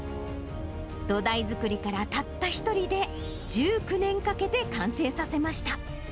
土台作りから、たった一人で１９年かけて完成させました。